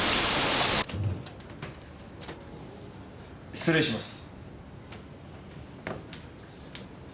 失礼します。